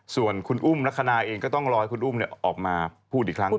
ส่วนคุณอุ้มลักษณะเองก็ต้องรอให้คุณอุ้มออกมาพูดอีกครั้ง